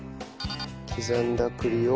刻んだ栗を。